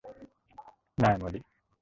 না, মলি।